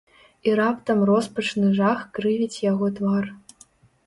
І раптам роспачны жах крывіць яго твар.